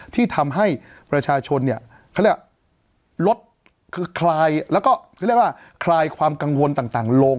ที่ทำให้ประชาชนเขาเรียกว่าลดคลายความกังวลต่างลง